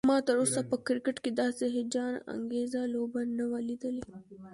ما تراوسه په کرکټ کې داسې هيجان انګیزه لوبه نه وه لیدلی